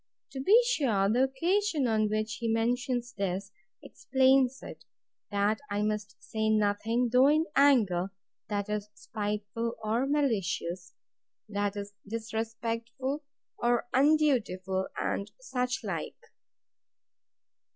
To be sure, the occasion on which he mentions this, explains it; that I must say nothing, though in anger, that is spiteful or malicious; that is disrespectful or undutiful, and such like.